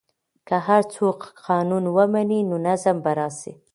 که هر څوک قانون ومني نو نظم به راسي.